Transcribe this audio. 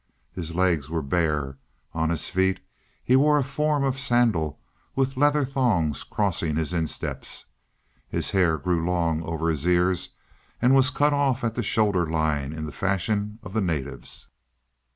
His legs were bare; on his feet he wore a form of sandal with leather thongs crossing his insteps. His hair grew long over his ears and was cut off at the shoulder line in the fashion of the natives.